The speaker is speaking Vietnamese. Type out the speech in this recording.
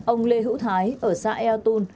ông lê hữu thái ở xã eo tôn